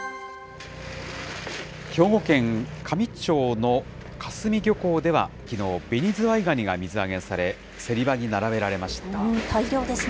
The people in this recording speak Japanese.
兵庫県香美町の香住漁港では、きのうベニズワイガニが水揚げされ、競り場に並べられました。